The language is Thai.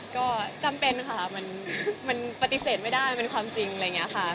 ก็จำเป็นค่ะมันปฏิเสธไม่ได้มันเป็นความจริงอะไรอย่างนี้ค่ะ